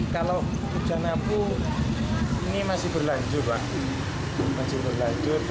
kalau hujan abu ini masih berlanjur